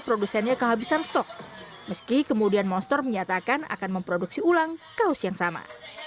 produsennya kehabisan stok meski kemudian monster menyatakan akan memproduksi ulang kaos yang sama